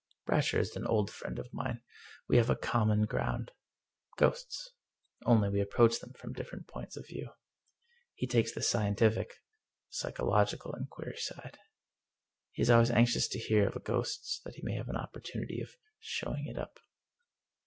Brasher is an old friend of mine. We have a common ground — ghosts. Only we approach them from different points of view. He takes the scientific — psychological — inquiry side. He is always anxious to hear of a ghost, so that he may have an opportunity of " showing it up.